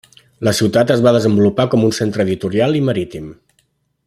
La ciutat es va desenvolupar com un centre editorial i marítim.